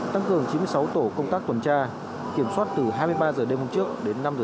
tăng cường chín mươi sáu tổ công tác tuần tra kiểm soát từ hai mươi ba h đêm hôm trước đến năm h